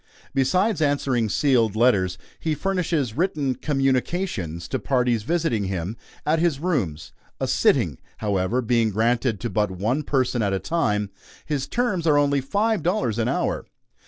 Besides answering sealed letters, he furnishes written "communications" to parties visiting him at his rooms a "sitting," however, being granted to but one person at a time. His terms are only five dollars an hour.